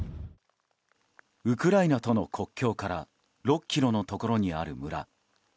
ウクライナとの国境から６ｋｍのところにある村。